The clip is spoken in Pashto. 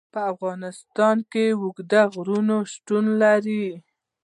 په افغانستان کې اوږده غرونه شتون لري.